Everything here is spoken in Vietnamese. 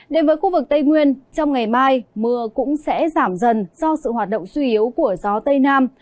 đến với khu vực tây nguyên trong ngày mai mưa cũng sẽ giảm dần do sự hoạt động suy yếu của gió tây nam